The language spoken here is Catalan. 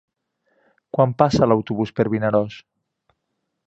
Quan passa l'autobús per Vinaròs?